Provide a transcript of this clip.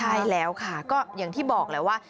ใช่แล้วค่ะก็อย่างที่บอกแหละว่า